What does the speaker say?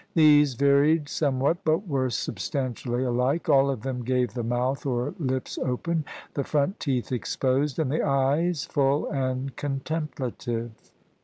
These varied somewhat, but were substan tially alike; all of them gave the mouth or lips open, the front teeth exposed, and the eyes full and contemplative.